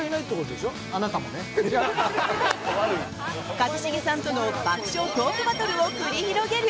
一茂さんとの爆笑トークバトルを繰り広げる。